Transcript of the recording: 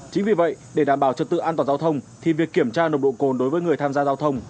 chính vì vậy để đảm bảo trật tự an toàn giao thông thì việc kiểm tra nồng độ cồn đối với người tham gia giao thông